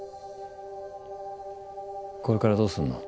これからどうすんの？